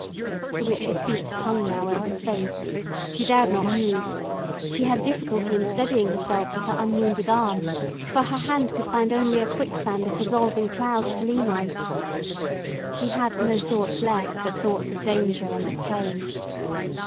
The witch's feet hung now over space, she dared not move; she had difficulty in steadying herself with her unwounded arm, for her hand could find only a quicksand of dissolving cloud to lean on. She had no thoughts left but thoughts of danger and of pain.